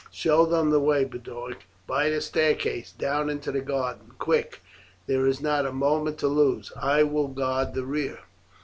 Show them the way, Boduoc, by the staircase down into the garden. Quick! there is not a moment to lose. I will guard the rear."